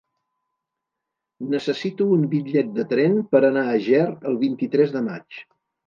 Necessito un bitllet de tren per anar a Ger el vint-i-tres de maig.